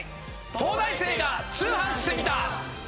『東大生が通販してみた！！』。